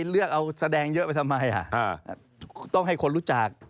เลือกเอาแสดงเยอะไปทำไมต้องให้คนรู้จัก